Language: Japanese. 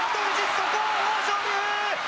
そこを豊昇龍！